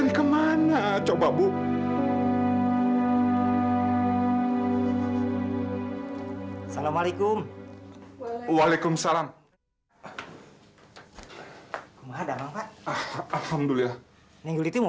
sampai jumpa di video selanjutnya "